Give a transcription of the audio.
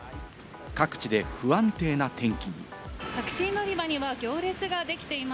各地で不安定な天気に。